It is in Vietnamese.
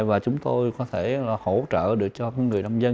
và chúng tôi có thể hỗ trợ được cho người nông dân